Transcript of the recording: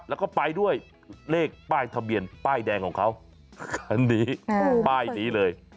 แล้วก็ไปด้วยเลขป้ายทะเบียนป้ายแดงของเขาคันนี้ป้ายนี้เลย